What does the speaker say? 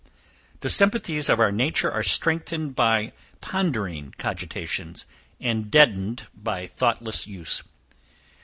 The sympathies of our nature are strengthened by pondering cogitations, and deadened by thoughtless use.